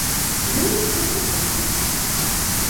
Яны ўсе там гэтым мажуцца.